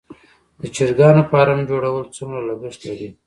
د چرګانو فارم جوړول څومره لګښت لري؟